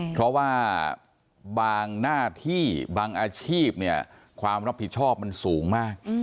เพราะว่าบางหน้าที่บางอาชีพเนี่ยความรับผิดชอบมันสูงมาก